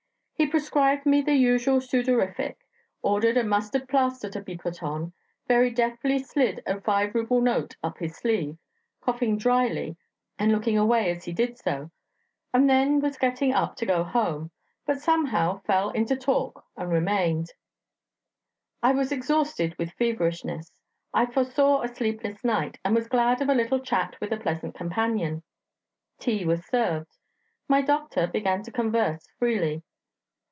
He prescribed me the usual sudorific, ordered a mustard plaster to be put on, very deftly slid a five ruble note up his sleeve, coughing drily and looking away as he did so, and then was getting up to go home, but somehow fell into talk and remained. I was exhausted with feverishness; I foresaw a sleepless night, and was glad of a little chat with a pleasant companion. Tea was served. My doctor began to converse freely.